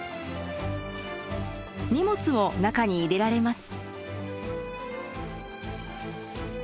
荷物を中に入れられます。